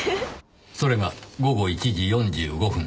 それが午後１時４５分。